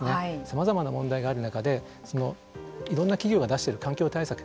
さまざまな問題がある中でいろんな企業が出してる環境対策